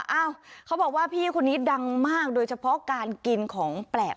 เอ้าเขาบอกว่าพี่คนนี้ดังมากโดยเฉพาะการกินของแปลก